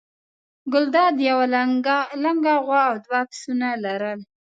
ګلداد یوه لنګه غوا او دوه پسونه لرل.